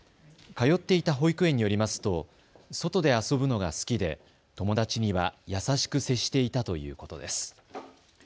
通っていた保育園によりますと外で遊ぶのが好きで友達には優しく接していたということです。